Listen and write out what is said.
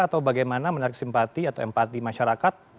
atau bagaimana menarik simpati atau empati masyarakat